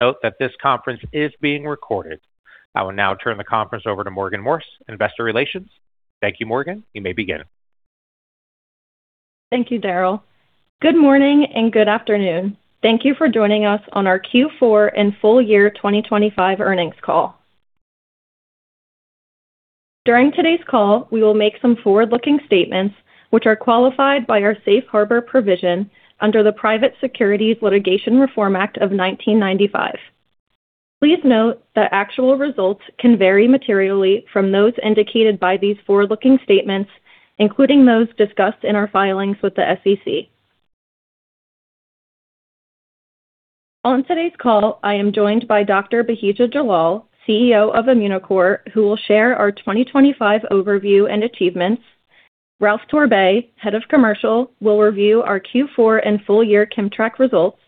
note that this conference is being recorded. I will now turn the conference over to Morgan Morse, Investor Relations. Thank you, Morgan. You may begin. Thank you, Daryl. Good morning and good afternoon. Thank you for joining us on our Q4 and Full Year 2025 Earnings Call. During today's call, we will make some forward-looking statements which are qualified by our safe harbor provision under the Private Securities Litigation Reform Act of 1995. Please note that actual results can vary materially from those indicated by these forward-looking statements, including those discussed in our filings with the SEC. On today's call, I am joined by Dr. Bahija Jallal, CEO of Immunocore, who will share our 2025 overview and achievements. Ralph Torbay, Head of Commercial, will review our Q4 and full year KIMMTRAK results.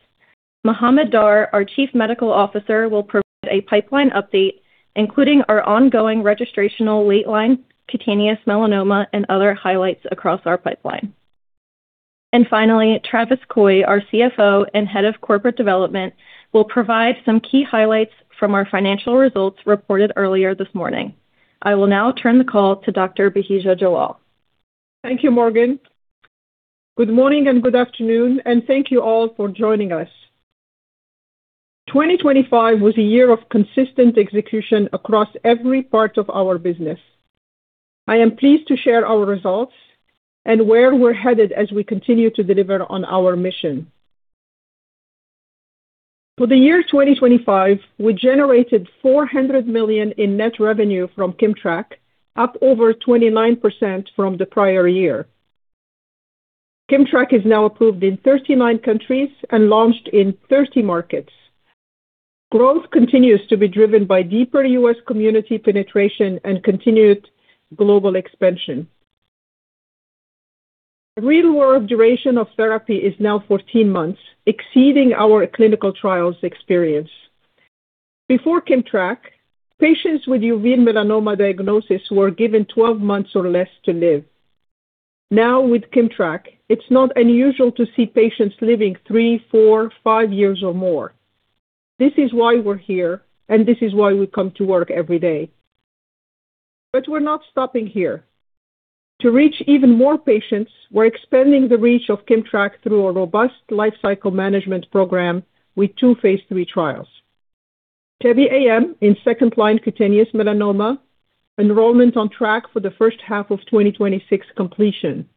Mohammed Dar, our Chief Medical Officer, will provide a pipeline update, including our ongoing registrational late-line cutaneous melanoma and other highlights across our pipeline. Finally, Travis Coy, our CFO and Head of Corporate Development, will provide some key highlights from our financial results reported earlier this morning. I will now turn the call to Dr. Bahija Jallal. Thank you, Morgan. Good morning and good afternoon, thank you all for joining us. 2025 was a year of consistent execution across every part of our business. I am pleased to share our results and where we're headed as we continue to deliver on our mission. For the year 2025, we generated $400 million in net revenue from KIMMTRAK, up over 29% from the prior year. KIMMTRAK is now approved in 39 countries and launched in 30 markets. Growth continues to be driven by deeper U.S. community penetration and continued global expansion. Real-world duration of therapy is now 14 months, exceeding our clinical trials experience. Before KIMMTRAK, patients with uveal melanoma diagnosis were given 12 months or less to live. Now, with KIMMTRAK, it's not unusual to see patients living three, four, five years or more. This is why we're here, this is why we come to work every day. We're not stopping here. To reach even more patients, we're expanding the reach of KIMMTRAK through a robust lifecycle management program with two phase III trials. TEBE-AM in second-line cutaneous melanoma, enrollment on track for the first half of 2026 completion.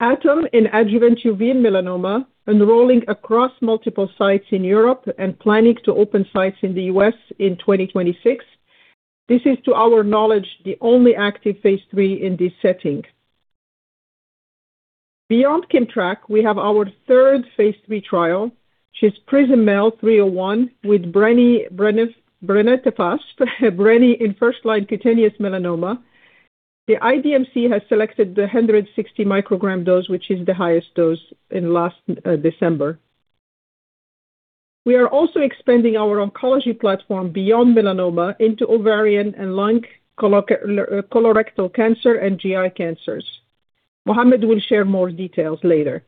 ATOM in adjuvant uveal melanoma, enrolling across multiple sites in Europe and planning to open sites in the U.S. in 2026. This is, to our knowledge, the only active phase III in this setting. Beyond KIMMTRAK, we have our third phase III trial, which is PRISM-MEL-301, with brenetafusp in first-line cutaneous melanoma. The IDMC has selected the 160 microgram dose, which is the highest dose, in last December. We are also expanding our oncology platform beyond melanoma into ovarian and lung colorectal cancer and GI cancers. Mohammed will share more details later.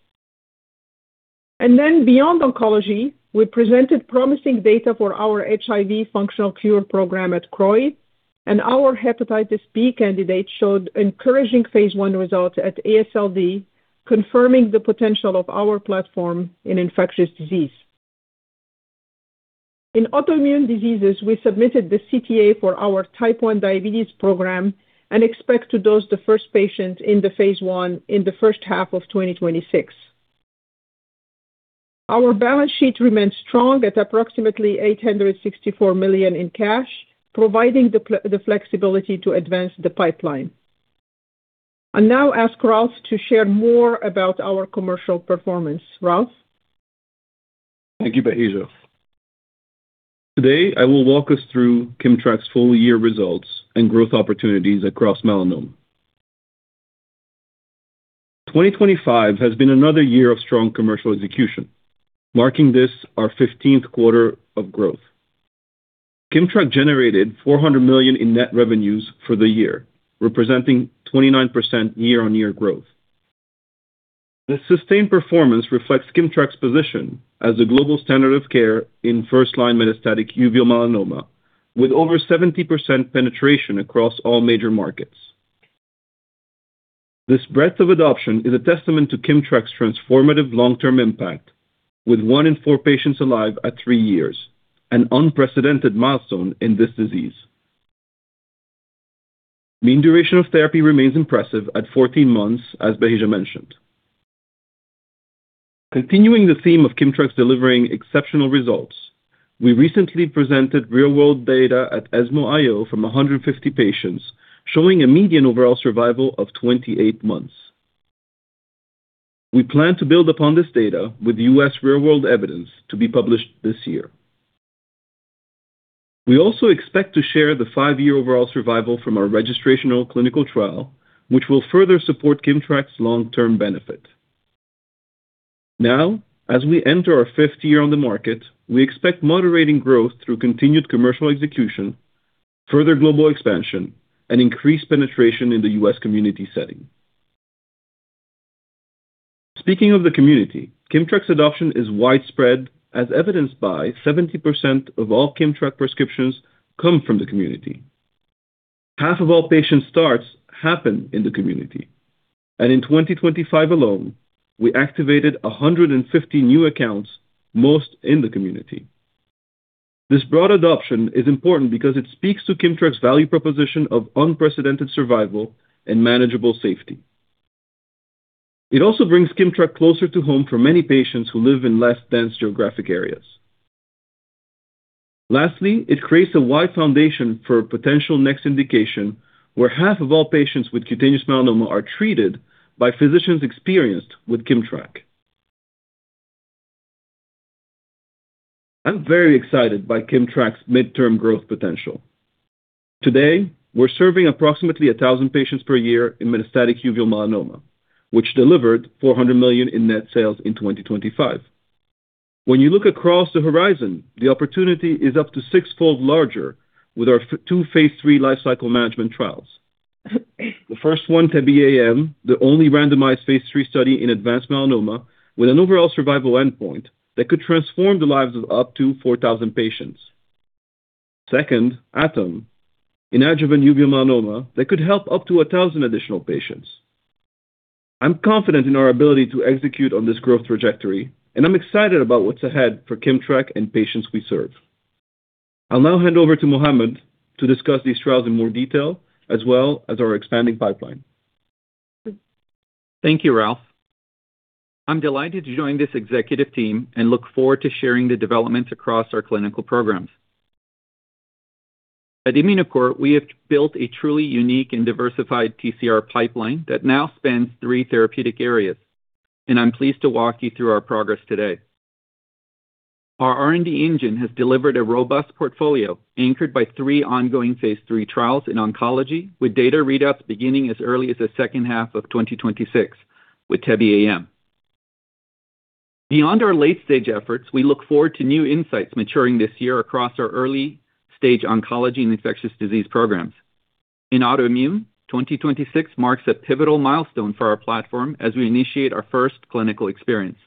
Beyond oncology, we presented promising data for our HIV functional cure program at CROI, and our Hepatitis B candidate showed encouraging phase I results at AASLD, confirming the potential of our platform in infectious disease. In autoimmune diseases, we submitted the CTA for our Type 1 diabetes program and expect to dose the first patient in the phase I in the first half of 2026. Our balance sheet remains strong at approximately $864 million in cash, providing the flexibility to advance the pipeline. I now ask Ralph to share more about our commercial performance. Ralph? Thank you, Bahija. Today I will walk us through KIMMTRAK's full year results and growth opportunities across melanoma. 2025 has been another year of strong commercial execution, marking this our 15th quarter of growth. KIMMTRAK generated $400 million in net revenues for the year, representing 29% YoY growth. This sustained performance reflects KIMMTRAK's position as the global standard of care in first-line metastatic uveal melanoma, with over 70% penetration across all major markets. This breadth of adoption is a testament to KIMMTRAK's transformative long-term impact, with 1 in 4 patients alive at 3 years, an unprecedented milestone in this disease. Mean duration of therapy remains impressive at 14 months, as Bahija mentioned. Continuing the theme of KIMMTRAK's delivering exceptional results, we recently presented real-world data at ESMO IO from 150 patients, showing a median overall survival of 28 months. We plan to build upon this data with U.S. real-world evidence to be published this year. We also expect to share the 5-year overall survival from our registrational clinical trial, which will further support KIMMTRAK's long-term benefit. Now, as we enter our fifth year on the market, we expect moderating growth through continued commercial execution, further global expansion, and increased penetration in the U.S. community setting. Speaking of the community, KIMMTRAK's adoption is widespread, as evidenced by 70% of all KIMMTRAK prescriptions come from the community. Half of all patient starts happen in the community, and in 2025 alone, we activated 150 new accounts, most in the community. This broad adoption is important because it speaks to KIMMTRAK's value proposition of unprecedented survival and manageable safety. It also brings KIMMTRAK closer to home for many patients who live in less dense geographic areas. Lastly, it creates a wide foundation for a potential next indication, where half of all patients with cutaneous melanoma are treated by physicians experienced with KIMMTRAK. I'm very excited by KIMMTRAK's midterm growth potential. Today, we're serving approximately 1,000 patients per year in metastatic uveal melanoma, which delivered $400 million in net sales in 2025. When you look across the horizon, the opportunity is up to 6x larger with our two phase III lifecycle management trials. The first one, TEBE-AM, the only randomized phase III study in advanced melanoma, with an overall survival endpoint that could transform the lives of up to 4,000 patients. Second, ATOM, in adjuvant uveal melanoma that could help up to 1,000 additional patients. I'm confident in our ability to execute on this growth trajectory, I'm excited about what's ahead for KIMMTRAK and patients we serve. I'll now hand over to Mohamed to discuss these trials in more detail, as well as our expanding pipeline. Thank you, Ralph. I'm delighted to join this executive team and look forward to sharing the developments across our clinical programs. At Immunocore, we have built a truly unique and diversified TCR pipeline that now spans three therapeutic areas, and I'm pleased to walk you through our progress today. Our R&D engine has delivered a robust portfolio anchored by three ongoing phase III trials in oncology, with data readouts beginning as early as the second half of 2026, with TEBE-AM. Beyond our late-stage efforts, we look forward to new insights maturing this year across our early-stage oncology and infectious disease programs. In autoimmune, 2026 marks a pivotal milestone for our platform as we initiate our first clinical experience.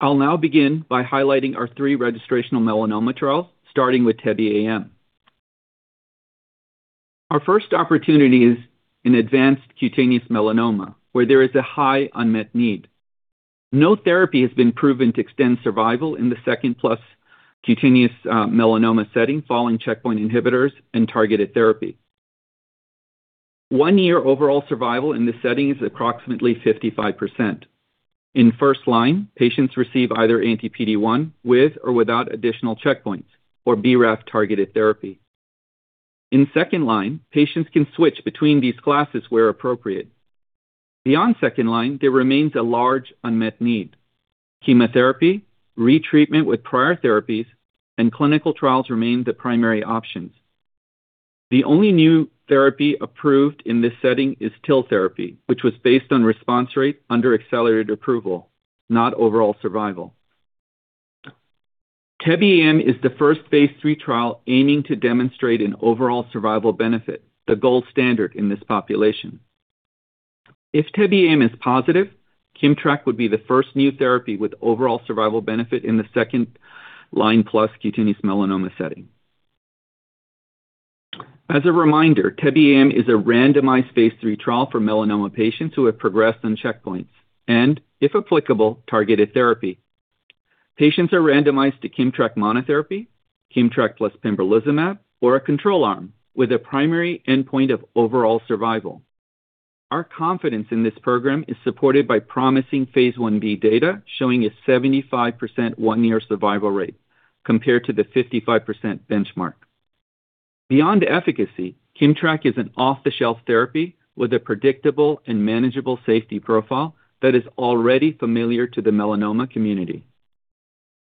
I'll now begin by highlighting our three registrational melanoma trials, starting with TEBE-AM. Our first opportunity is in advanced cutaneous melanoma, where there is a high unmet need. No therapy has been proven to extend survival in the second-line plus cutaneous melanoma setting, following checkpoint inhibitors and targeted therapy. 1-year overall survival in this setting is approximately 55%. In first-line, patients receive either anti-PD-1, with or without additional checkpoints, or BRAF-targeted therapy. In second-line, patients can switch between these classes where appropriate. Beyond second-line, there remains a large unmet need. Chemotherapy, retreatment with prior therapies, and clinical trials remain the primary options. The only new therapy approved in this setting is TIL therapy, which was based on response rate under accelerated approval, not overall survival. TEBE-AM is the first phase III trial aiming to demonstrate an overall survival benefit, the gold standard in this population. If TEBE-AM is positive, KIMMTRAK would be the first new therapy with overall survival benefit in the second-line plus cutaneous melanoma setting. As a reminder, TEBE-AM is a randomized phase III trial for melanoma patients who have progressed on checkpoints and, if applicable, targeted therapy. Patients are randomized to KIMMTRAK monotherapy, KIMMTRAK plus pembrolizumab, or a control arm with a primary endpoint of overall survival. Our confidence in this program is supported by promising phase I-B data, showing a 75% 1-year survival rate compared to the 55% benchmark. Beyond efficacy, KIMMTRAK is an off-the-shelf therapy with a predictable and manageable safety profile that is already familiar to the melanoma community.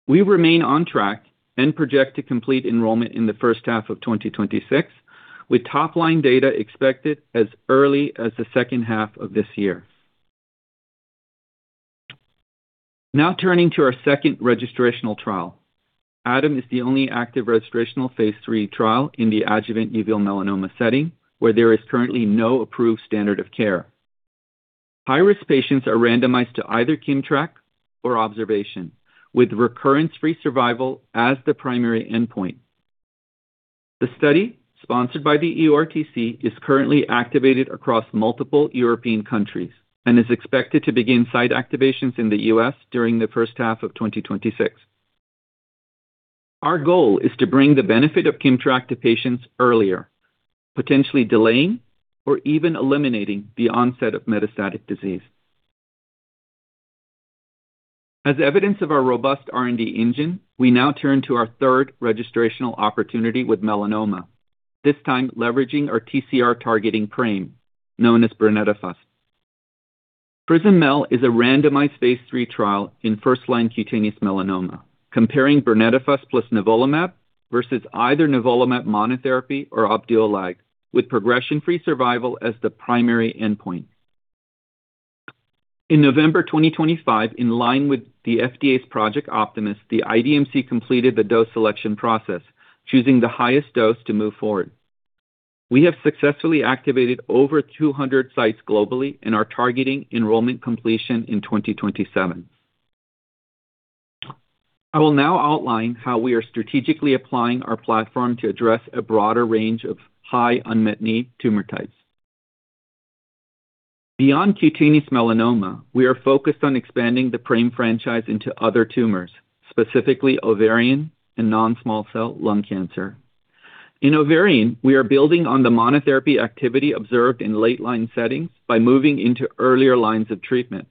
We remain on track and project to complete enrollment in the first half of 2026, with top-line data expected as early as the second half of this year. Turning to our second registrational trial. ATOM is the only active registrational phase III trial in the adjuvant uveal melanoma setting, where there is currently no approved standard of care. High-risk patients are randomized to either KIMMTRAK or observation, with recurrence-free survival as the primary endpoint. The study, sponsored by the EORTC, is currently activated across multiple European countries and is expected to begin site activations in the US during the first half of 2026. Our goal is to bring the benefit of KIMMTRAK to patients earlier, potentially delaying or even eliminating the onset of metastatic disease. As evidence of our robust R&D engine, we now turn to our third registrational opportunity with melanoma, this time leveraging our TCR targeting PRAME, known as brenetafusp. PRISM-MEL is a randomized phase III trial in first-line cutaneous melanoma, comparing brenetafusp plus nivolumab versus either nivolumab monotherapy or Opdualag, with progression-free survival as the primary endpoint.... In November 2025, in line with the FDA's Project Optimus, the IDMC completed the dose selection process, choosing the highest dose to move forward. We have successfully activated over 200 sites globally and are targeting enrollment completion in 2027. I will now outline how we are strategically applying our platform to address a broader range of high unmet need tumor types. Beyond cutaneous melanoma, we are focused on expanding the PRAME franchise into other tumors, specifically ovarian and non-small cell lung cancer. In ovarian, we are building on the monotherapy activity observed in late line settings by moving into earlier lines of treatment.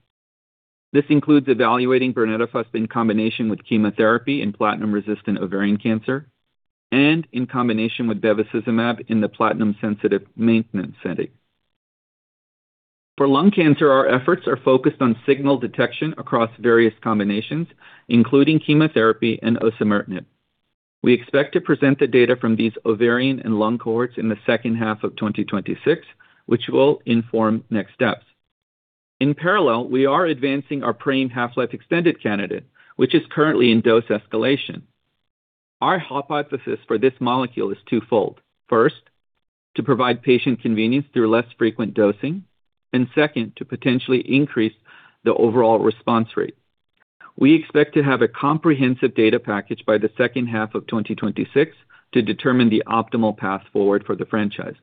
This includes evaluating brenetafusp in combination with chemotherapy in platinum-resistant ovarian cancer and in combination with bevacizumab in the platinum-sensitive maintenance setting. For lung cancer, our efforts are focused on signal detection across various combinations, including chemotherapy and osimertinib. We expect to present the data from these ovarian and lung cohorts in the second half of 2026, which will inform next steps. In parallel, we are advancing our PRAME half-life extended candidate, which is currently in dose escalation. Our hypothesis for this molecule is twofold: first, to provide patient convenience through less frequent dosing, and second, to potentially increase the overall response rate. We expect to have a comprehensive data package by the second half of 2026 to determine the optimal path forward for the franchise.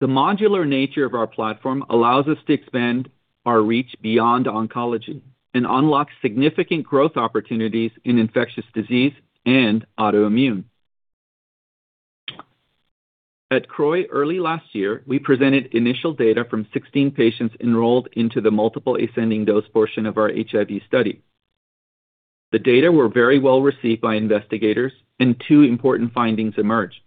The modular nature of our platform allows us to expand our reach beyond oncology and unlocks significant growth opportunities in infectious disease and autoimmune. At CROI early last year, we presented initial data from 16 patients enrolled into the multiple ascending dose portion of our HIV study. Two important findings emerged.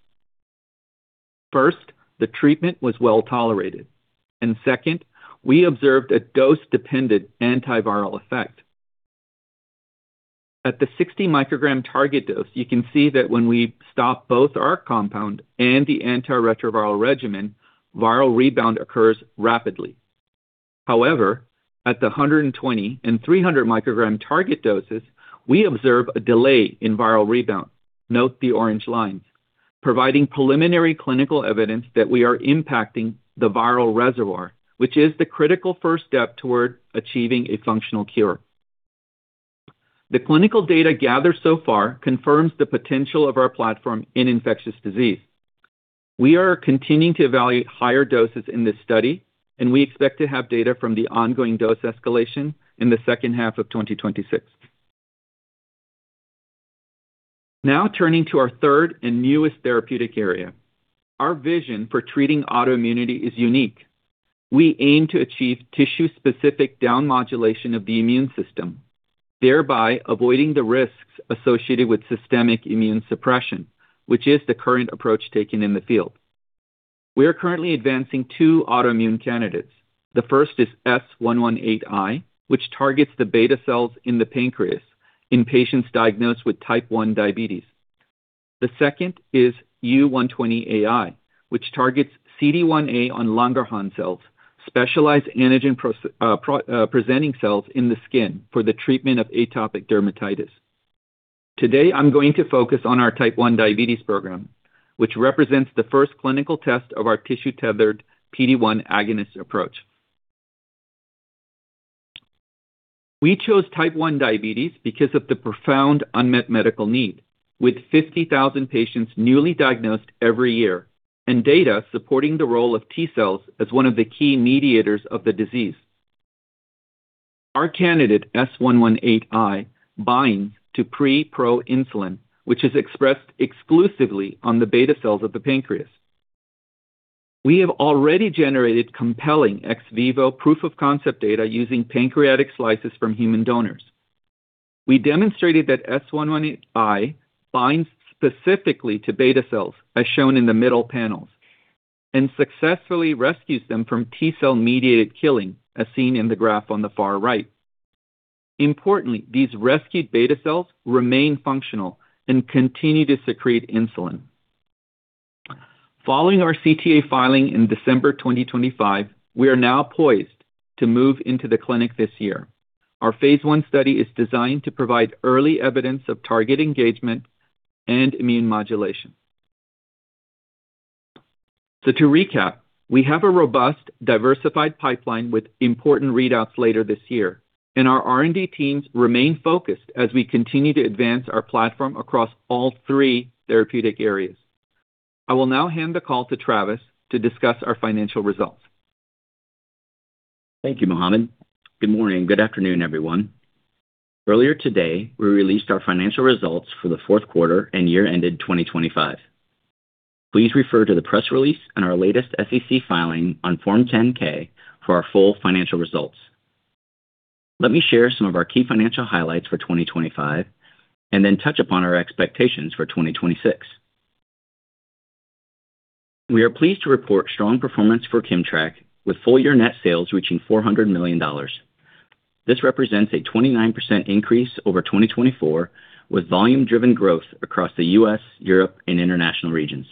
First, the treatment was well tolerated, and second, we observed a dose-dependent antiviral effect. At the 60 microgram target dose, you can see that when we stop both our compound and the antiretroviral regimen, viral rebound occurs rapidly. However, at the 120 and 300 microgram target doses, we observe a delay in viral rebound, note the orange lines, providing preliminary clinical evidence that we are impacting the viral reservoir, which is the critical first step toward achieving a functional cure. The clinical data gathered so far confirms the potential of our platform in infectious disease. We are continuing to evaluate higher doses in this study, and we expect to have data from the ongoing dose escalation in the second half of 2026. Now, turning to our third and newest therapeutic area. Our vision for treating autoimmunity is unique. We aim to achieve tissue-specific down modulation of the immune system, thereby avoiding the risks associated with systemic immune suppression, which is the current approach taken in the field. We are currently advancing two autoimmune candidates. The first is IMC-S118AI, which targets the beta cells in the pancreas in patients diagnosed with type one diabetes. The second is IMC-U120AI, which targets CD1A on Langerhans cells, specialized antigen presenting cells in the skin for the treatment of atopic dermatitis. Today, I'm going to focus on our type one diabetes program, which represents the first clinical test of our tissue-tethered PD-1 agonist approach. We chose type one diabetes because of the profound unmet medical need, with 50,000 patients newly diagnosed every year and data supporting the role of T cells as one of the key mediators of the disease. Our candidate, IMC-S118AI, binds to preproinsulin, which is expressed exclusively on the beta cells of the pancreas. We have already generated compelling ex vivo proof of concept data using pancreatic slices from human donors. We demonstrated that IMC-S118AI binds specifically to beta cells, as shown in the middle panels, and successfully rescues them from T cell-mediated killing, as seen in the graph on the far right. Importantly, these rescued beta cells remain functional and continue to secrete insulin. Following our CTA filing in December 2025, we are now poised to move into the clinic this year. Our phase I study is designed to provide early evidence of target engagement and immune modulation. To recap, we have a robust, diversified pipeline with important readouts later this year, and our R&D teams remain focused as we continue to advance our platform across all three therapeutic areas. I will now hand the call to Travis to discuss our financial results. Thank you, Mohammed. Good morning. Good afternoon, everyone. Earlier today, we released our financial results for the fourth quarter and year ended 2025. Please refer to the press release and our latest SEC filing on Form 10-K for our full financial results. Let me share some of our key financial highlights for 2025 and then touch upon our expectations for 2026. We are pleased to report strong performance for KIMMTRAK, with full-year net sales reaching $400 million. This represents a 29% increase over 2024, with volume-driven growth across the U.S., Europe, and international regions.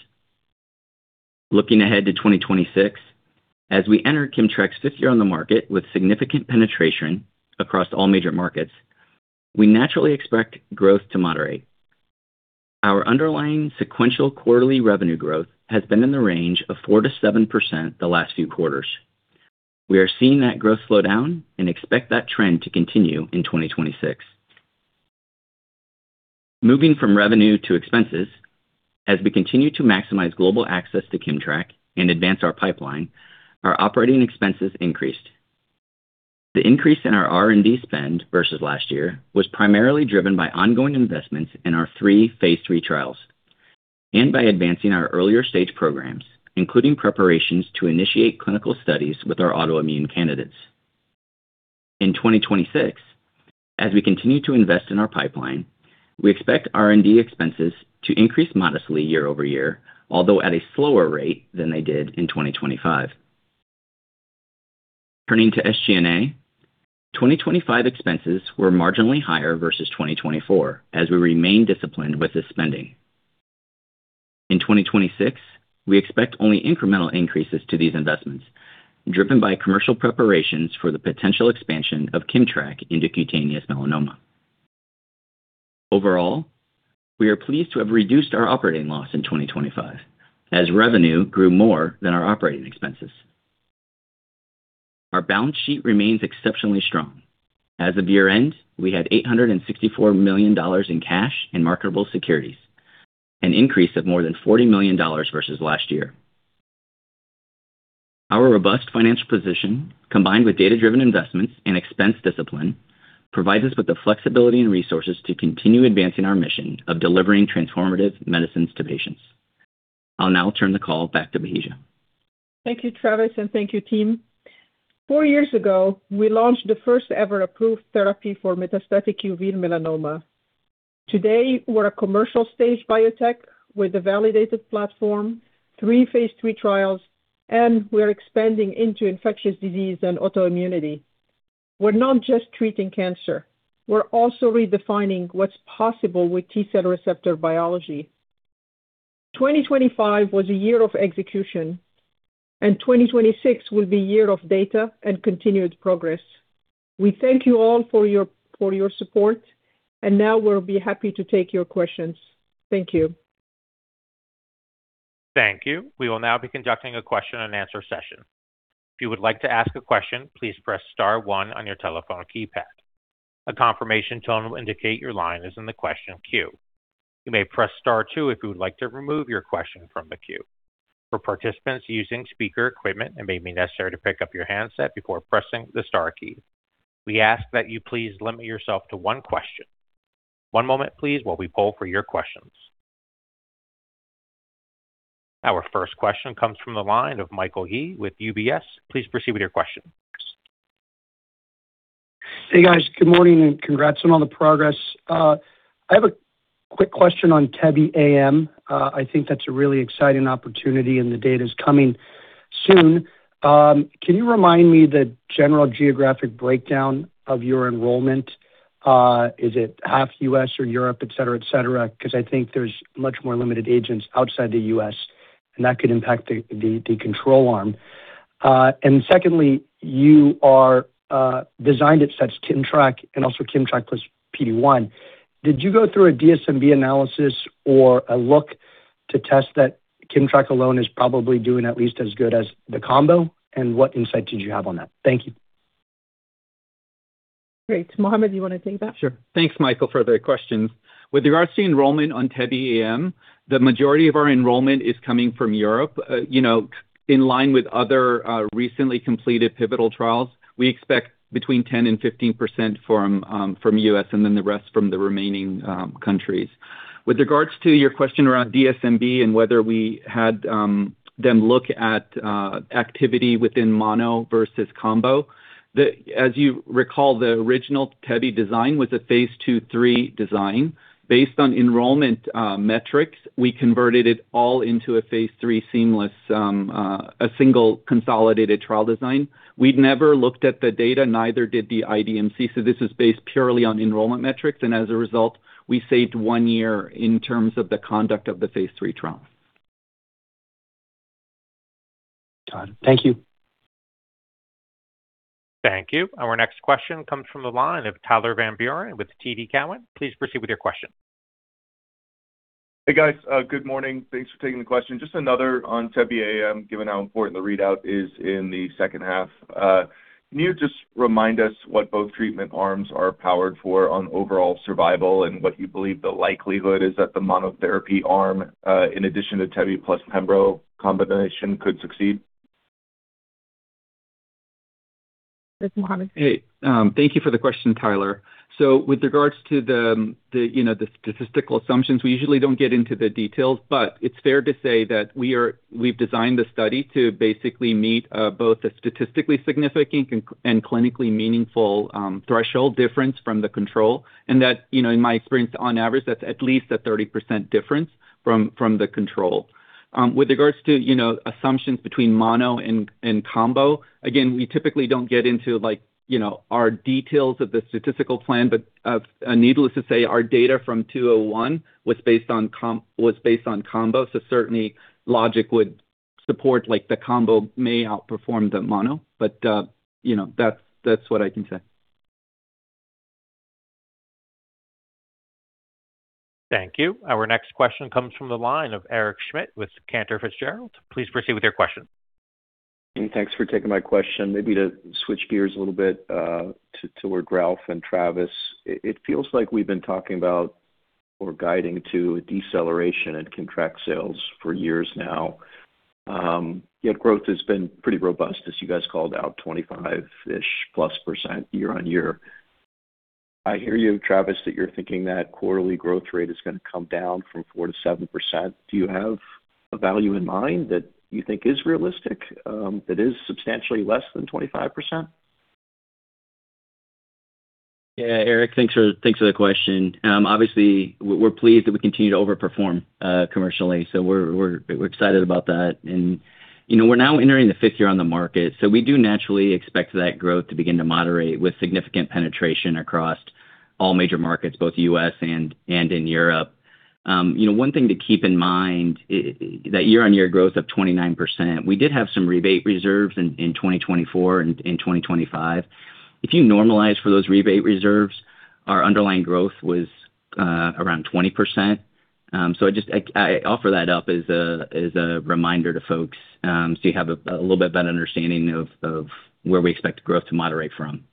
Looking ahead to 2026, as we enter KIMMTRAK's fifth year on the market with significant penetration across all major markets, we naturally expect growth to moderate. Our underlying sequential quarterly revenue growth has been in the range of 4%-7% the last few quarters. We are seeing that growth slow down and expect that trend to continue in 2026. Moving from revenue to expenses, as we continue to maximize global access to KIMMTRAK and advance our pipeline, our operating expenses increased. The increase in our R&D spend versus last year was primarily driven by ongoing investments in our three phase III trials and by advancing our earlier stage programs, including preparations to initiate clinical studies with our autoimmune candidates. In 2026, as we continue to invest in our pipeline, we expect R&D expenses to increase modestly year-over-year, although at a slower rate than they did in 2025. Turning to SG&A, 2025 expenses were marginally higher versus 2024, as we remained disciplined with the spending. In 2026, we expect only incremental increases to these investments, driven by commercial preparations for the potential expansion of KIMMTRAK into cutaneous melanoma. Overall, we are pleased to have reduced our operating loss in 2025, as revenue grew more than our operating expenses. Our balance sheet remains exceptionally strong. As of year-end, we had $864 million in cash and marketable securities, an increase of more than $40 million versus last year. Our robust financial position, combined with data-driven investments and expense discipline, provides us with the flexibility and resources to continue advancing our mission of delivering transformative medicines to patients. I'll now turn the call back to Bahija Jallal. Thank you, Travis. Thank you, team. Four years ago, we launched the first-ever approved therapy for metastatic uveal melanoma. Today, we're a commercial-stage biotech with a validated platform, three phase III trials, and we are expanding into infectious disease and autoimmunity. We're not just treating cancer, we're also redefining what's possible with T-cell receptor biology. 2025 was a year of execution, and 2026 will be a year of data and continued progress. We thank you all for your support, and now we'll be happy to take your questions. Thank you. Thank you. We will now be conducting a question-and-answer session. If you would like to ask a question, please press star one on your telephone keypad. A confirmation tone will indicate your line is in the question queue. You may press star two if you would like to remove your question from the queue. For participants using speaker equipment, it may be necessary to pick up your handset before pressing the star key. We ask that you please limit yourself to one question. One moment, please, while we poll for your questions. Our first question comes from the line of Michael Yee with UBS. Please proceed with your question. Hey, guys. Good morning. Congrats on all the progress. I have a quick question on TEBE-AM. I think that's a really exciting opportunity. The data's coming soon. Can you remind me the general geographic breakdown of your enrollment? Is it half US or Europe, et cetera, et cetera? I think there's much more limited agents outside the US, and that could impact the control arm. Secondly, you are designed it such KIMMTRAK and also KIMMTRAK plus PD-1. Did you go through a DSMB analysis or a look to test that KIMMTRAK alone is probably doing at least as good as the combo? What insight did you have on that? Thank you. Great. Mohammed, you want to take that? Sure. Thanks, Michael, for the questions. With regards to enrollment on TEBE-AM, the majority of our enrollment is coming from Europe. You know, in line with other recently completed pivotal trials, we expect between 10% and 15% from U.S. and then the rest from the remaining countries. With regards to your question around DSMB and whether we had them look at activity within mono versus combo, as you recall, the original Tevi design was a phase II, III design. Based on enrollment metrics, we converted it all into a phase III seamless, a single consolidated trial design. We'd never looked at the data, neither did the IDMC, this is based purely on enrollment metrics, and as a result, we saved 1 year in terms of the conduct of the phase III trial. Got it. Thank you. Thank you. Our next question comes from the line of Tyler Van Buren with TD Cowen. Please proceed with your question. Hey, guys. good morning. Thanks for taking the question. Just another on TEBE-AM, given how important the readout is in the second half. Can you just remind us what both treatment arms are powered for on overall survival and what you believe the likelihood is that the monotherapy arm, in addition to TEBE plus pembro combination, could succeed? Yes, Mohamed. Thank you for the question, Tyler. With regards to the, you know, the statistical assumptions, we usually don't get into the details, but it's fair to say that we've designed the study to basically meet both the statistically significant and clinically meaningful threshold difference from the control. That, you know, in my experience, on average, that's at least a 30% difference from the control. ... With regards to, you know, assumptions between mono and combo, again, we typically don't get into, like, you know, our details of the statistical plan, but needless to say, our data from 201 was based on combo. Certainly logic would support, like, the combo may outperform the mono, but, you know, that's what I can say. Thank you. Our next question comes from the line of Eric Schmidt with Cantor Fitzgerald. Please proceed with your question. Thanks for taking my question. Maybe to switch gears a little bit, to, toward Ralph and Travis. It feels like we've been talking about or guiding to deceleration in contract sales for years now. Yet growth has been pretty robust, as you guys called out, 25 ish%+ YoY. I hear you, Travis, that you're thinking that quarterly growth rate is gonna come down from 4%-7%. Do you have a value in mind that you think is realistic, that is substantially less than 25%? Yeah, Eric, thanks for the question. Obviously, we're pleased that we continue to overperform commercially, so we're excited about that. You know, we're now entering the 5th year on the market, so we do naturally expect that growth to begin to moderate with significant penetration across all major markets, both U.S. and in Europe. You know, one thing to keep in mind, that year-on-year growth of 29%, we did have some rebate reserves in 2024 and in 2025. If you normalize for those rebate reserves, our underlying growth was around 20%. I just offer that up as a reminder to folks, so you have a little bit better understanding of where we expect growth to moderate from.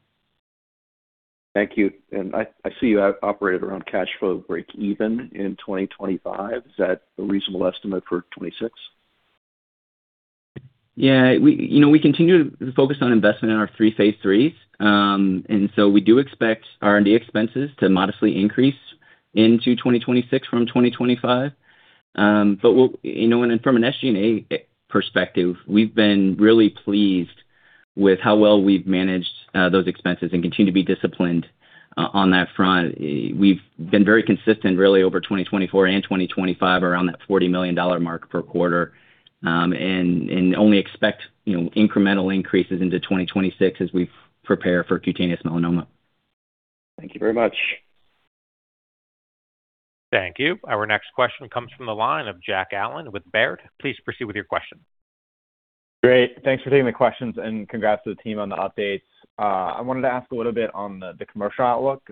Thank you. I see you have operated around cash flow break even in 2025. Is that a reasonable estimate for 2026? You know, we continue to focus on investment in our three phase IIIs. We do expect R&D expenses to modestly increase into 2026 from 2025. You know, and from an SG&A perspective, we've been really pleased with how well we've managed those expenses and continue to be disciplined on that front. We've been very consistent, really, over 2024 and 2025, around that $40 million mark per quarter, and only expect, you know, incremental increases into 2026 as we prepare for cutaneous melanoma. Thank you very much. Thank you. Our next question comes from the line of Jack Allen with Baird. Please proceed with your question. Great. Thanks for taking the questions. Congrats to the team on the updates. I wanted to ask a little bit on the commercial outlook.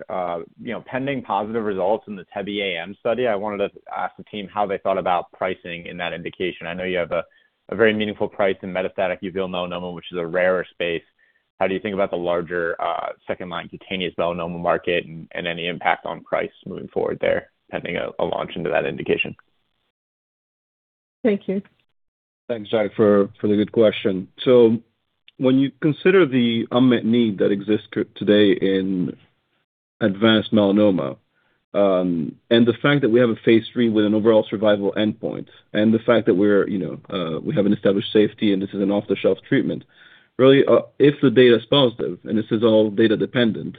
You know, pending positive results in the TEBE-AM study, I wanted to ask the team how they thought about pricing in that indication. I know you have a very meaningful price in metastatic uveal melanoma, which is a rarer space. How do you think about the larger second-line cutaneous melanoma market and any impact on price moving forward there, pending a launch into that indication? Thank you. Thanks, Jack, for the good question. When you consider the unmet need that exists today in advanced melanoma, and the fact that we have a phase III with an overall survival endpoint, and the fact that we're, you know, we have an established safety and this is an off-the-shelf treatment. Really, if the data is positive, and this is all data dependent,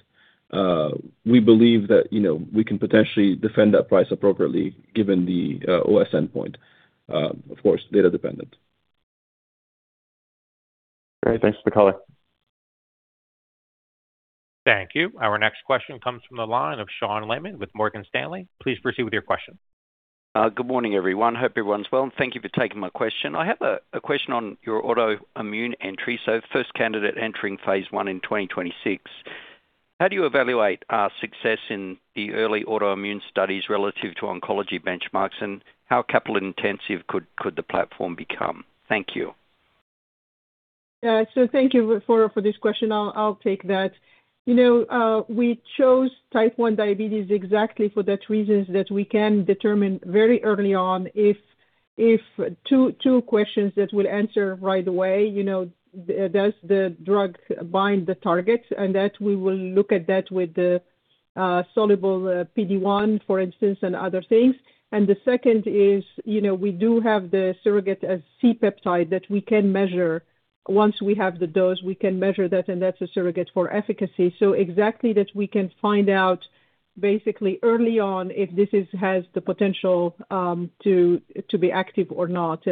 we believe that, you know, we can potentially defend that price appropriately, given the OS endpoint. Of course, data dependent. Great. Thanks for the call. Thank you. Our next question comes from the line of Sean Laaman with Morgan Stanley. Please proceed with your question. Good morning, everyone. Hope everyone's well, and thank you for taking my question. I have a question on your autoimmune entry. First candidate entering phase I in 2026. How do you evaluate success in the early autoimmune studies relative to oncology benchmarks? How capital-intensive could the platform become? Thank you. Thank you for this question. I'll take that. You know, we chose Type 1 diabetes exactly for that reasons that we can determine very early on. Two questions that we'll answer right away, you know, does the drug bind the target? That we will look at that with the soluble PD-1, for instance, and other things. The second is, you know, we do have the surrogate C-peptide that we can measure. Once we have the dose, we can measure that, and that's a surrogate for efficacy. Exactly that we can find out basically early on if this has the potential to be active or not.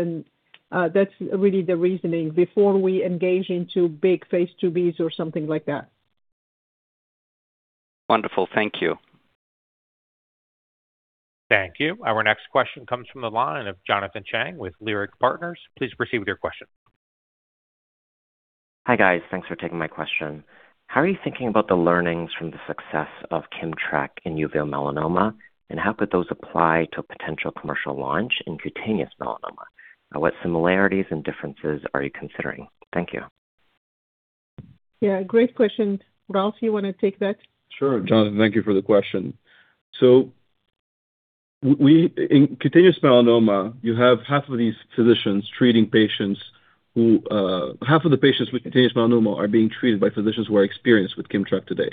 That's really the reasoning before we engage into big phase II-Bs or something like that. Wonderful. Thank you. Thank you. Our next question comes from the line of Jonathan Chang with Leerink Partners. Please proceed with your question. Hi, guys. Thanks for taking my question. How are you thinking about the learnings from the success of KIMMTRAK in uveal melanoma, and how could those apply to a potential commercial launch in cutaneous melanoma? What similarities and differences are you considering? Thank you. Yeah, great question. Ralph, you want to take that? Sure, Jonathan, thank you for the question. We in cutaneous melanoma, you have half of these physicians treating patients who, half of the patients with cutaneous melanoma are being treated by physicians who are experienced with KIMMTRAK today.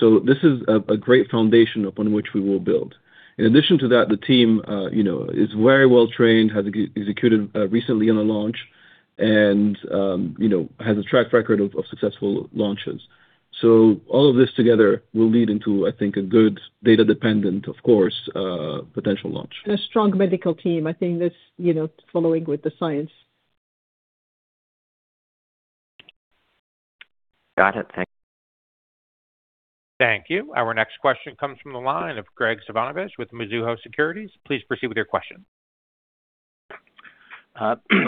This is a great foundation upon which we will build. In addition to that, the team, you know, is very well trained, has executed recently on the launch. You know, has a track record of successful launches. All of this together will lead into, I think, a good data dependent, of course, potential launch. A strong medical team. I think that's, you know, following with the science. Got it. Thank you. Thank you. Our next question comes from the line of Graig Suvannavejh with Mizuho Securities. Please proceed with your question.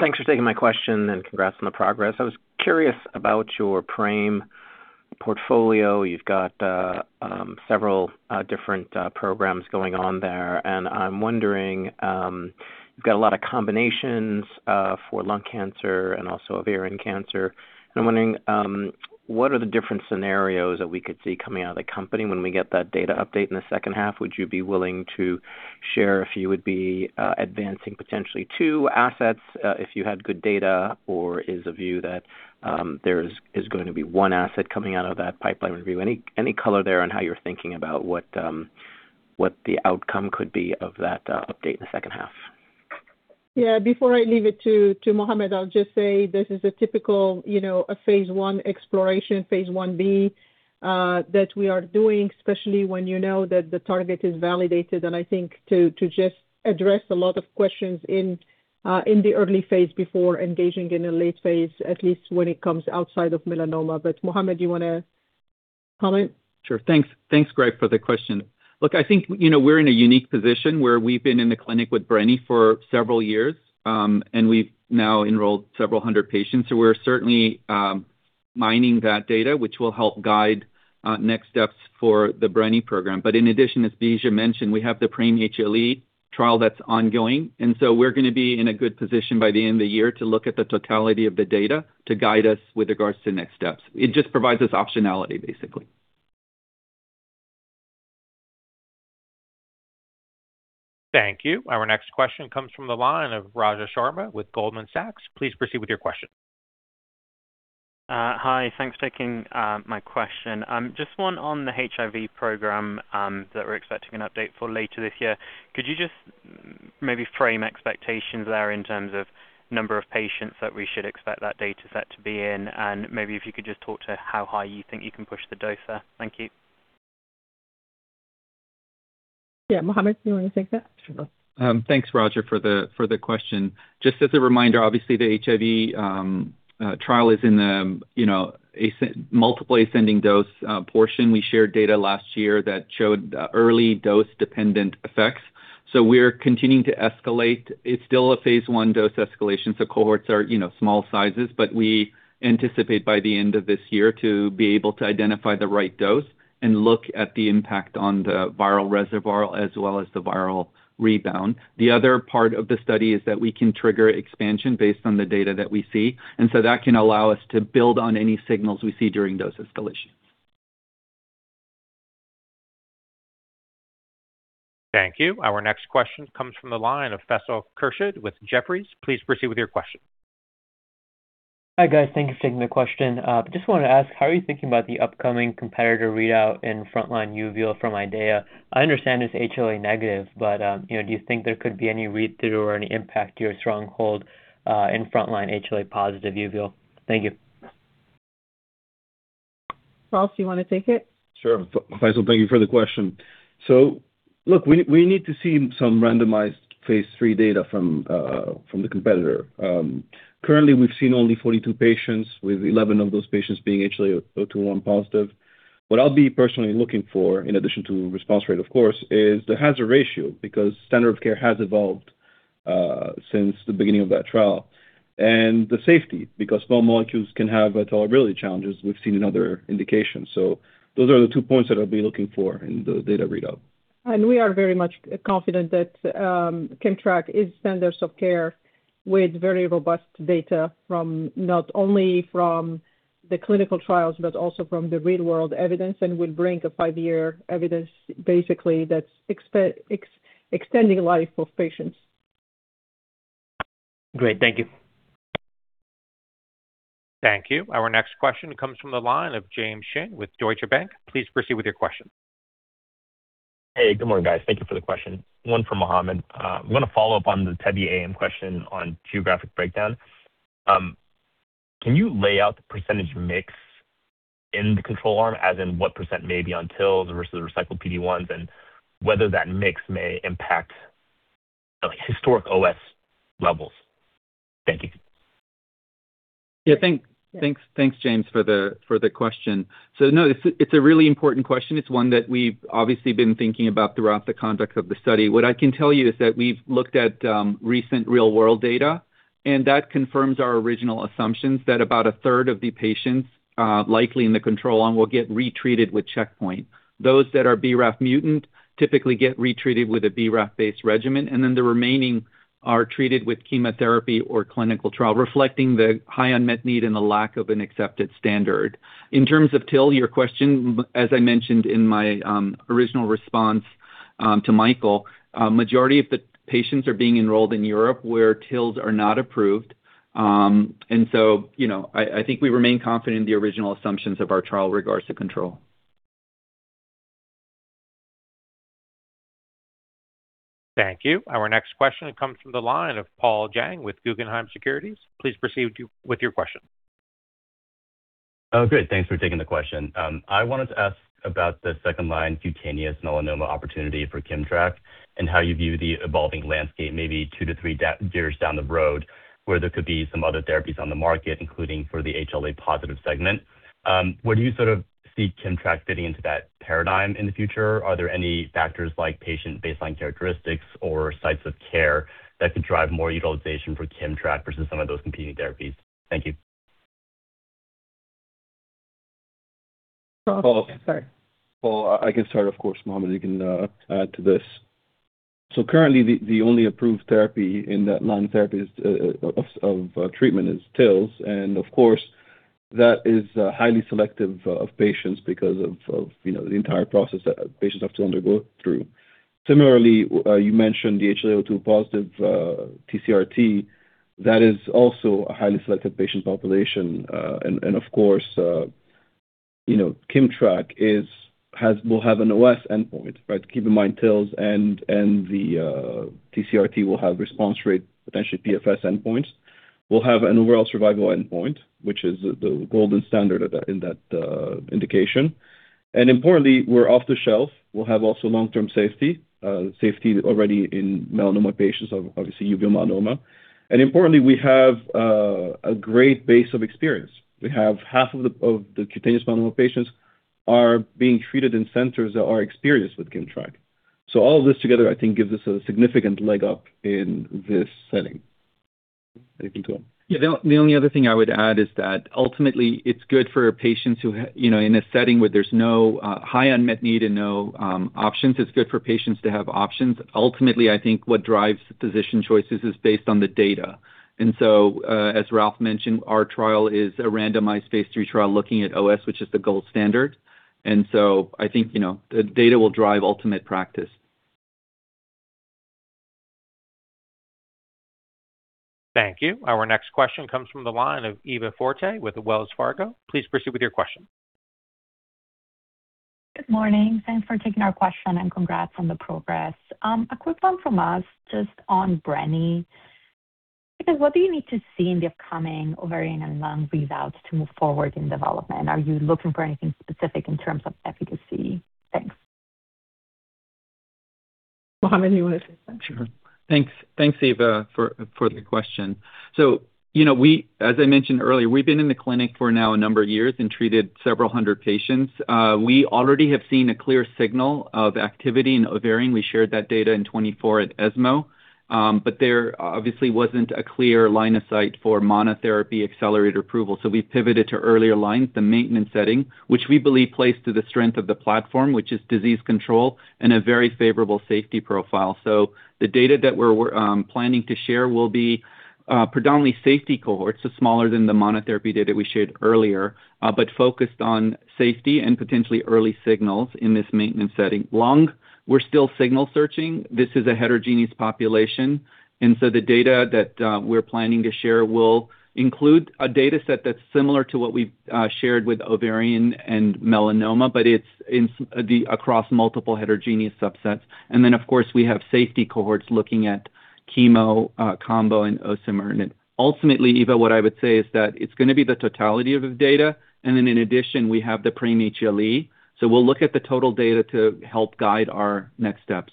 Thanks for taking my question, congrats on the progress. I was curious about your PRAME portfolio. You've got several different programs going on there, I'm wondering, you've got a lot of combinations for lung cancer and also ovarian cancer. I'm wondering what are the different scenarios that we could see coming out of the company when we get that data update in the second half? Would you be willing to share if you would be advancing potentially two assets if you had good data? Is the view that there's going to be one asset coming out of that pipeline review? Any color there on how you're thinking about what the outcome could be of that update in the second half? Yeah, before I leave it to Mohammed, I'll just say this is a typical, you know, a phase I exploration, phase I-B that we are doing, especially when you know that the target is validated, and I think to just address a lot of questions in the early phase before engaging in a late phase, at least when it comes outside of melanoma. Mohammed, do you want to comment? Sure. Thanks. Thanks, Graig, for the question. Look, I think, you know, we're in a unique position where we've been in the clinic with Brenni for several years, and we've now enrolled several hundred patients. We're certainly mining that data, which will help guide next steps for the Brenni program. In addition, as Bahija mentioned, we have the PRAME HLE trial that's ongoing, and so we're gonna be in a good position by the end of the year to look at the totality of the data to guide us with regards to the next steps. It just provides us optionality, basically. Thank you. Our next question comes from the line of Rajan Sharma with Goldman Sachs. Please proceed with your question. Hi, thanks for taking my question. Just one on the HIV program that we're expecting an update for later this year. Could you just maybe frame expectations there in terms of number of patients that we should expect that data set to be in? Maybe if you could just talk to how high you think you can push the dose there. Thank you. Yeah. Mohammed, do you want to take that? Sure. Thanks, Rajan, for the question. Just as a reminder, obviously, the HIV trial is in, you know, multiple ascending dose portion. We shared data last year that showed early dose-dependent effects, so we're continuing to escalate. It's still a phase I dose escalation, so cohorts are, you know, small sizes, but we anticipate by the end of this year to be able to identify the right dose and look at the impact on the viral reservoir as well as the viral rebound. The other part of the study is that we can trigger expansion based on the data that we see, and so that can allow us to build on any signals we see during dose escalation. Thank you. Our next question comes from the line of Faisal Khurshid with Jefferies. Please proceed with your question. Hi, guys. Thank you for taking the question. Just wanted to ask, how are you thinking about the upcoming competitor readout in frontline uveal from IDEAYA? I understand it's HLA negative, but, you know, do you think there could be any read-through or any impact to your stronghold, in frontline HLA positive uveal? Thank you. Ralph, do you want to take it? Sure. Faisal, thank you for the question. Look, we need to see some randomized phase III data from the competitor. Currently, we've seen only 42 patients, with 11 of those patients being HLA-A*02:01 positive. What I'll be personally looking for, in addition to response rate, of course, is the hazard ratio, because standard of care has evolved since the beginning of that trial. The safety, because small molecules can have tolerability challenges. We've seen in other indications. Those are the two points that I'll be looking for in the data readout. We are very much confident that, KIMMTRAK is standards of care with very robust data from... not only from the clinical trials, but also from the real-world evidence, and will bring a five-year evidence basically that's extending life of patients. Great. Thank you. Thank you. Our next question comes from the line of James Shin with Deutsche Bank. Please proceed with your question. Hey, good morning, guys. Thank you for the question. One for Mohammed. I'm gonna follow up on the TEBE-AM question on geographic breakdown. Can you lay out the percentage mix in the control arm, as in what % may be on TILs versus recycled PD-1s, and whether that mix may impact, like, historic OS levels? Thank you. Yeah, thanks. Thanks, James, for the question. No, it's a really important question. It's one that we've obviously been thinking about throughout the conduct of the study. What I can tell you is that we've looked at recent real-world data, and that confirms our original assumptions, that about a third of the patients likely in the control arm will get retreated with checkpoint. Those that are BRAF mutant typically get retreated with a BRAF-based regimen, the remaining are treated with chemotherapy or clinical trial, reflecting the high unmet need and the lack of an accepted standard. In terms of TIL, your question, as I mentioned in my original response to Michael, a majority of the patients are being enrolled in Europe, where TILS are not approved. you know, I think we remain confident in the original assumptions of our trial regards to control. Thank you. Our next question comes from the line of Paul Jeng with Guggenheim Securities. Please proceed with your question. Great. Thanks for taking the question. I wanted to ask about the second-line cutaneous melanoma opportunity for KIMMTRAK and how you view the evolving landscape, maybe 2-3 years down the road, where there could be some other therapies on the market, including for the HLA-positive segment. Where do you sort of see KIMMTRAK fitting into that paradigm in the future? Are there any factors like patient baseline characteristics or sites of care that could drive more utilization for KIMMTRAK versus some of those competing therapies? Thank you. Paul, I can start, of course, Mohammed, you can add to this. Currently, the only approved therapy in that line of therapy is of treatment is TILS. Of course, that is highly selective of patients because of, you know, the entire process that patients have to undergo through. Similarly, you mentioned the HLA-II positive TCRT. That is also a highly selective patient population. Of course, you know, KIMMTRAK will have an OS endpoint, right? Keep in mind, TILS and the TCRT will have response rate, potentially PFS endpoints. We'll have an overall survival endpoint, which is the golden standard at that indication. Importantly, we're off the shelf. We'll have also long-term safety already in melanoma patients, obviously, uveal melanoma. Importantly, we have a great base of experience. We have half of the cutaneous melanoma patients are being treated in centers that are experienced with KIMMTRAK. All of this together, I think, gives us a significant leg up in this setting. You can go on. Yeah, the only other thing I would add is that ultimately it's good for patients, you know, in a setting where there's no high unmet need and no options, it's good for patients to have options. Ultimately, I think what drives physician choices is based on the data. As Ralph mentioned, our trial is a randomized phase III trial looking at OS, which is the gold standard. I think, you know, the data will drive ultimate practice. Thank you. Our next question comes from the line of Eva Fortea with Wells Fargo. Please proceed with your question. Good morning. Thanks for taking our question, and congrats on the progress. A quick one from us, just on brenetafusp. I guess, what do you need to see in the upcoming ovarian and lung results to move forward in development? Are you looking for anything specific in terms of efficacy? Thanks. Mohamed, you want to say? Sure. Thanks, thanks, Eva, for the question. You know, as I mentioned earlier, we've been in the clinic for now a number of years and treated several hundred patients. We already have seen a clear signal of activity in ovarian. We shared that data in 2024 at ESMO. There obviously wasn't a clear line of sight for monotherapy accelerator approval, so we pivoted to earlier lines, the maintenance setting, which we believe plays to the strength of the platform, which is disease control and a very favorable safety profile. The data that we're planning to share will be predominantly safety cohorts, so smaller than the monotherapy data we shared earlier, but focused on safety and potentially early signals in this maintenance setting. Lung, we're still signal-searching. This is a heterogeneous population. The data that we're planning to share will include a data set that's similar to what we've shared with ovarian and melanoma, but it's across multiple heterogeneous subsets. Of course, we have safety cohorts looking at chemo combo and osimertinib. Ultimately, Eva, what I would say is that it's going to be the totality of the data. In addition, we have the PRAME-HLA. We'll look at the total data to help guide our next steps.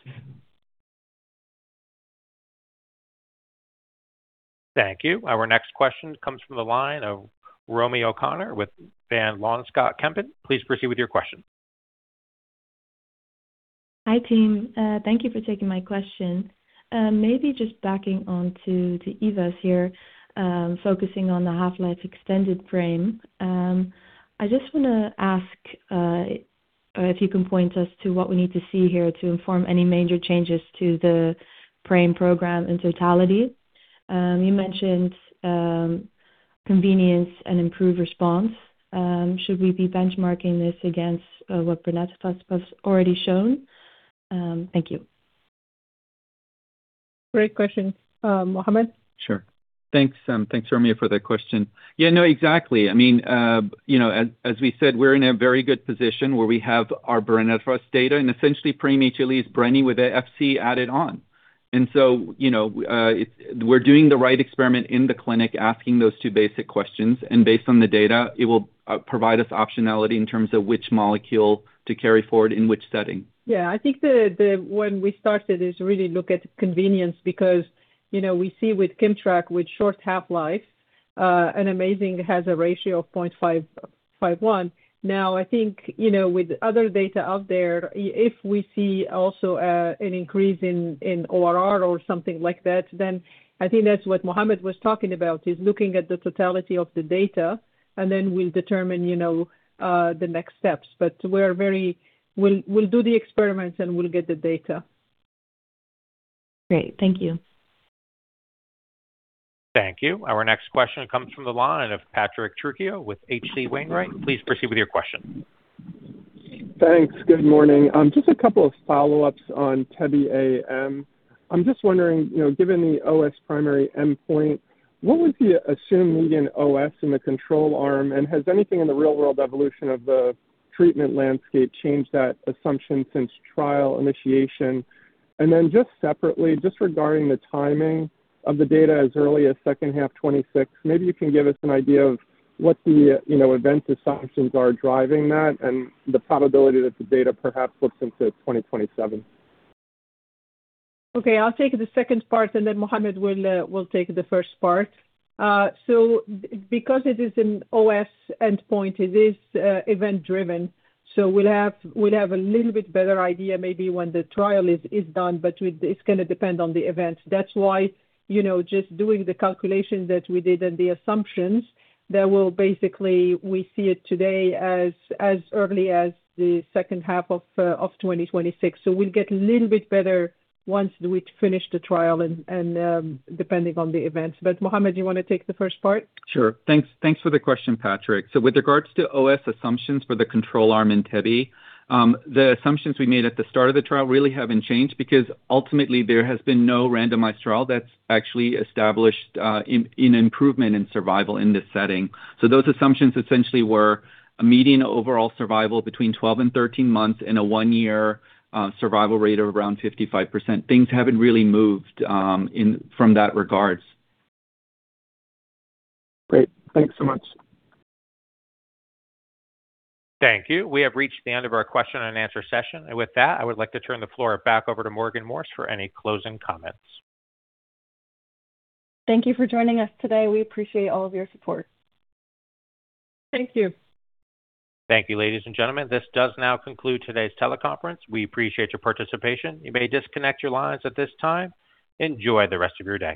Thank you. Our next question comes from the line of Romy O'Connor with Van Lanschot Kempen. Please proceed with your question. Hi, team. Thank you for taking my question. Maybe just backing on to Eva's here, focusing on the PRAME half-life extended. I just want to ask, if you can point us to what we need to see here to inform any major changes to the PRAME program in totality. You mentioned, convenience and improved response. Should we be benchmarking this against, what brenetafusp has already shown? Thank you. Great question. Mohammed? Sure. Thanks, Roni, for that question. Yeah, no, exactly. I mean, you know, as we said, we're in a very good position where we have our brenetafusp data. Essentially, PRAME-HLA is Brenni with FC added on. You know, we're doing the right experiment in the clinic, asking those two basic questions. Based on the data, it will provide us optionality in terms of which molecule to carry forward in which setting. Yeah, I think when we started is really look at convenience, because, you know, we see with KIMMTRAK, with short half-life, and amazing has a ratio of 0.551. I think, you know, with other data out there, if we see also an increase in ORR or something like that, then I think that's what Mohammed was talking about, is looking at the totality of the data, and then we'll determine, you know, the next steps. We'll do the experiments, and we'll get the data. Great. Thank you. Thank you. Our next question comes from the line of Patrick Trucchio with H.C. Wainwright. Please proceed with your question. Thanks. Good morning. Just a couple of follow-ups on TEBE-AM. I'm just wondering, you know, given the OS primary endpoint, what was the assumed median OS in the control arm, and has anything in the real-world evolution of the treatment landscape changed that assumption since trial initiation? Just separately, just regarding the timing of the data as early as second half 2026, maybe you can give us an idea of what the, you know, events assumptions are driving that and the probability that the data perhaps slips into 2027. Okay, I'll take the second part. Mohammed will take the first part. Because it is an OS endpoint, it is event driven. We'll have a little bit better idea maybe when the trial is done, but it's gonna depend on the event. That's why, you know, just doing the calculations that we did and the assumptions, that will basically, we see it today as early as the second half of 2026. We'll get a little bit better once we finish the trial and depending on the events. Mohammed, you want to take the first part? Sure. Thanks for the question, Patrick. With regards to OS assumptions for the control arm in TEBE-AM, the assumptions we made at the start of the trial really haven't changed because ultimately there has been no randomized trial that's actually established an improvement in survival in this setting. Those assumptions essentially were a median overall survival between 12 and 13 months and a 1-year survival rate of around 55%. Things haven't really moved in from that regards. Great. Thanks so much. Thank you. We have reached the end of our question and answer session. With that, I would like to turn the floor back over to Morgan Morse for any closing comments. Thank you for joining us today. We appreciate all of your support. Thank you. Thank you, ladies and gentlemen. This does now conclude today's teleconference. We appreciate your participation. You may disconnect your lines at this time. Enjoy the rest of your day.